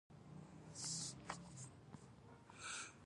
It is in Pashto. ښځو په کور او خوراک راټولولو کې تخصص وموند.